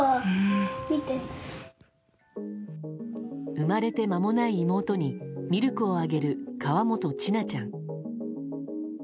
生まれて間もない妹にミルクをあげる河本千奈ちゃん。